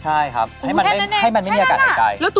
ใช่ครับให้มันไม่มีอากาศหายใจนะครับแค่นั้นอ่ะ